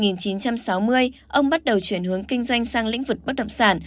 năm một nghìn chín trăm sáu mươi ông bắt đầu chuyển hướng kinh doanh sang lĩnh vực bất động sản